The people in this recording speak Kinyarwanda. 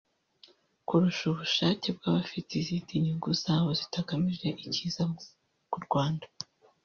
kurusha ubushake bw’abafite izindi nyungu zabo zitagamije icyiza ku Rwanda